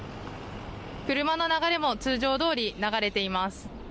車の流れも通常どおり流れています。